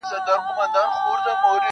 • پر ټولۍ باندي راغلی یې اجل دی -